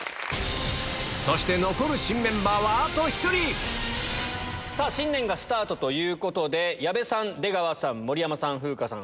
そして残る新メンバーはあと１人新年がスタートということで矢部さん出川さん盛山さん風花さん